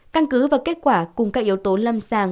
căn cứ và kết quả cùng các yếu tố lâm sàng